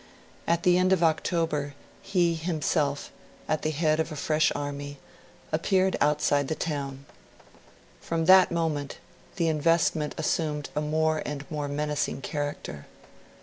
At the end of October, he himself, at the head of a fresh army, appeared outside the town. From that moment, the investment assumed a more and more menacing character.